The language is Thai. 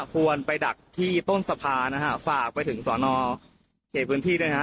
ควรไปดักที่ต้นสะพานนะฮะฝากไปถึงสอนอเขตพื้นที่ด้วยฮะ